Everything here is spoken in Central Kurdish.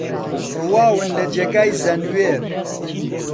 ڕواون لە جێگای زەنوێر